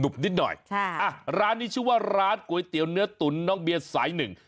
นิดหน่อยค่ะอ่ะร้านนี้ชื่อว่าร้านก๋วยเตี๋ยวเนื้อตุ๋นน้องเบียร์สายหนึ่ง